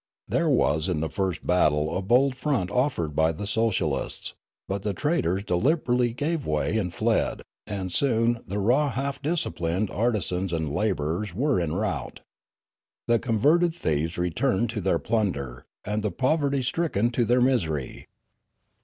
There was in the first battle a bold front offered by the social ists ; but the traitors deliberately gave way and fled, and soon the raw half disciplined artisans and labourers were in rout. The converted thieves returned to their plunder, and the poverty stricken to their misery.